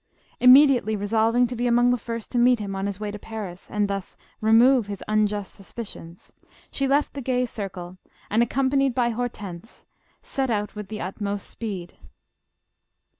Immediately resolv ing to be among the first to meet him on his way to Paris, and thus remove his unjust suspicions, she left the gay circle, and, accompanied by Hortense, set out with the utnfbst speed.